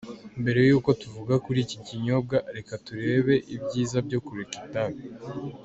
Mbere yuko tuvuga kuri iki kinyobwa, reka turebe ibyiza byo kureka itabi.